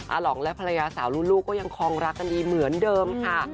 หลองและภรรยาสาวลูกก็ยังคงรักกันดีเหมือนเดิมค่ะ